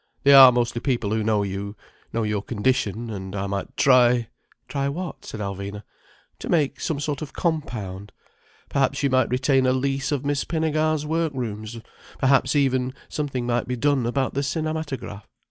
They are mostly people who know you, know your condition: and I might try—" "Try what?" said Alvina. "To make some sort of compound. Perhaps you might retain a lease of Miss Pinnegar's work rooms. Perhaps even something might be done about the cinematograph.